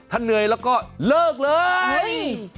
ถ้าเหนื่อยแล้วก็เลิกเลย